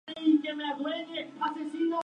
El impetuoso tío de K. venido del campo.